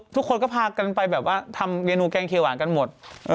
ทุกคนก็พากันไปแบบว่าทำเมนูแกงเขียวหวานกันหมด